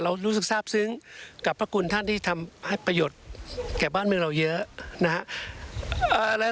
รู้สึกทราบซึ้งกับพระคุณท่านที่ทำให้ประโยชน์แก่บ้านเมืองเราเยอะนะฮะ